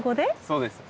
そうです。